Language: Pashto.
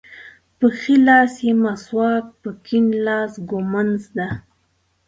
په ښي لاس یې مسواک په کیڼ لاس ږمونځ ده.